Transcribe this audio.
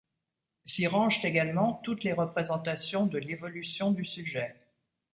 S'y rangent également toutes les représentations de l'évolution du sujet.